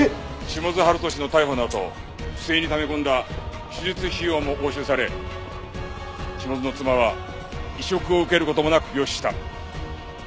下津晴稔の逮捕のあと不正にため込んだ手術費用も押収され下津の妻は移植を受ける事もなく病死した。